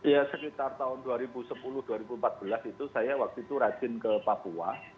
ya sekitar tahun dua ribu sepuluh dua ribu empat belas itu saya waktu itu rajin ke papua